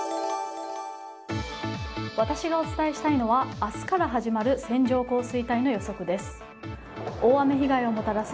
私がお伝えしたいのは明日から始まる線状降水帯の予測です。